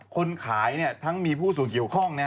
คนขายทั้งมีผู้ส่วนเกี่ยวข้อง